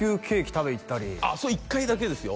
食べに行ったりあっ一回だけですよ